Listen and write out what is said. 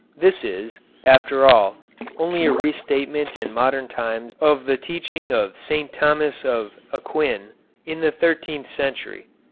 This is, after all, only a restatement in modern times of the teaching of St. Thomas of Aquin, in the thirteenth century.